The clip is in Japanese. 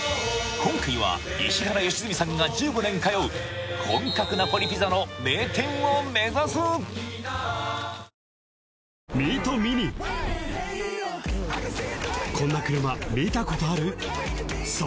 今回は石原良純さんが１５年通う本格ナポリピザの名店を目指すみんなベスコングルメ始まるよ！